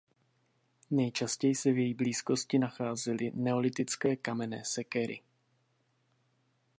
Nejčastěji se v její blízkosti nacházely neolitické kamenné sekery.